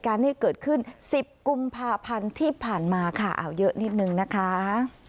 ขายอาวุจะนิดนึงนะคะ